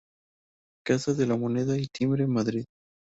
Casa de la Moneda y Timbre, Madrid.